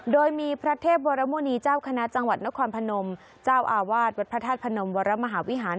โดยมีพระเทพวรมุณีเจ้าคณะจังหวัดนครพนมเจ้าอาวาสวัดพระธาตุพนมวรมหาวิหาร